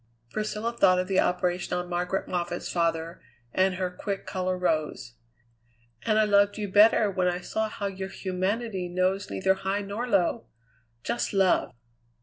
Priscilla thought of the operation on Margaret Moffatt's father, and her quick colour rose. "And I loved you better when I saw how your humanity knows neither high nor low just love!"